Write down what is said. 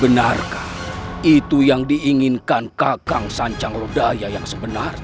benarkah itu yang diinginkan kakang sancaglodaya yang sebenarnya